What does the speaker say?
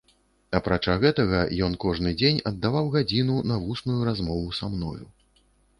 Апрача гэтага, ён кожны дзень аддаваў гадзіну на вусную размову са мною.